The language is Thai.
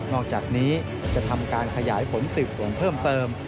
อกจากนี้จะทำการขยายผลสืบสวนเพิ่มเติม